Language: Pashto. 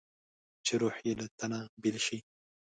چې روح یې له تنه بېل شي.